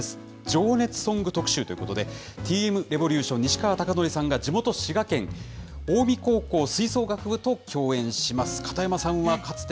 情熱ソング特集ということで、Ｔ．Ｍ．Ｒｅｖｏｌｕｔｉｏｎ・西川貴教さんが地元、滋賀県、近江高校吹奏楽部と共演します。